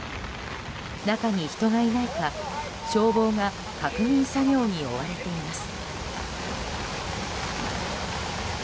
中に人がいないか消防が確認作業に追われています。